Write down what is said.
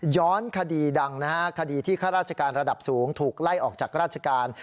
คดีดังนะฮะคดีที่ข้าราชการระดับสูงถูกไล่ออกจากราชการ